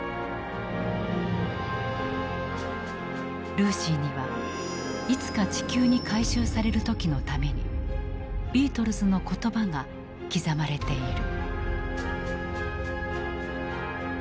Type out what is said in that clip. ルーシーにはいつか地球に回収される時のためにビートルズの言葉が刻まれている。